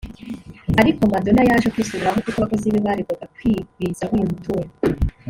Ariko Madonna yaje kwisubiraho kuko abakozi be baregwaga kwigwizaho uyu mutungo